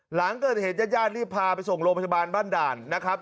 หลังเกิดเหตุญาติญาติรีบพาไปส่งโรงพยาบาลบ้านด่านนะครับ